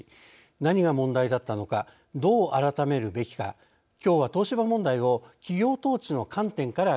何が問題だったのかどう改めるべきかきょうは東芝問題を企業統治の観点から考えてみます。